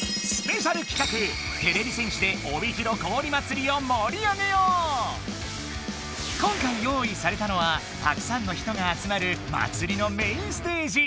てれび戦士で今回用意されたのはたくさんの人があつまるまつりのメインステージ。